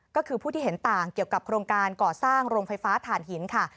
ก็คือผู้ที่เห็นต่างเกี่ยวกับโครงการก่อสร้างโรงไฟฟ้าถ่านหินค่ะ